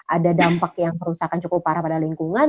ada dampak yang kerusakan cukup parah pada lingkungan